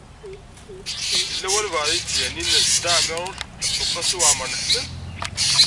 Yella walebɛaḍ i yettganin Dda Ɛmiiruc u Qasi Waɛmer n Ḥmed.